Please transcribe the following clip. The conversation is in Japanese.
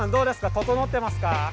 整ってますか？